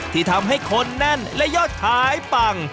ที่ทำให้คนแน่นและยอดขายปัง